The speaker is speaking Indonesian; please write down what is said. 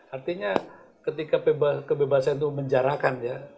artinya ketika kebebasan itu menjarakan ya